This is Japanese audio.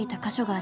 「あ」